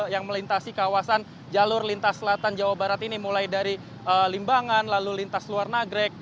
yang melintasi kawasan jalur lintas selatan jawa barat ini mulai dari limbangan lalu lintas luar nagrek